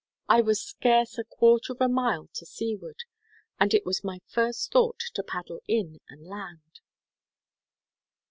I was scarce a quarter of a mile to seaward, and it was my first thought to paddle in and land.